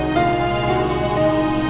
sampai ketemu lagi